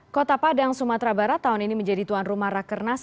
kota padang sumatera barat tahun ini menjadi tuan rumah rakernas